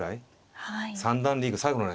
三段リーグ最後のね。